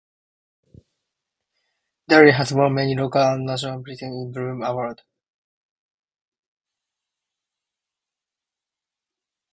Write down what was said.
Darley has won many local and national 'Britain in Bloom' awards.